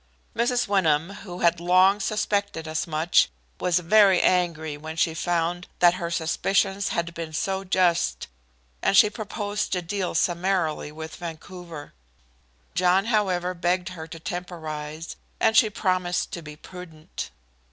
Mrs. Wyndham, who had long suspected as much, was very angry when she found that her suspicions had been so just, and she proposed to deal summarily with Vancouver. John, however, begged her to temporize, and she promised to be prudent.